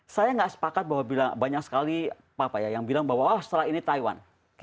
saya nggak sepakat bahwa banyak sekali yang bilang bahwa setelah ini taiwan